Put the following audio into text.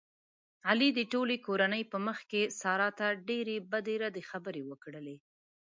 علي د ټولې کورنۍ په مخ کې سارې ته ډېرې بدې ردې خبرې وکړلې.